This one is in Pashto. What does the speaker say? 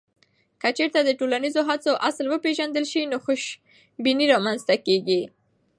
که چیرته د ټولنیزو هڅونو اصل وپېژندل سي، نو خوشبیني رامنځته کیږي.